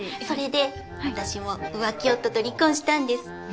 それで私も浮気夫と離婚したんです。